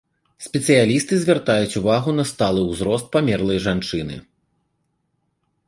Спецыялісты звяртаюць увагу на сталы ўзрост памерлай жанчыны.